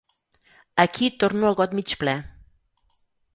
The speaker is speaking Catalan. Aquí torno al got mig ple.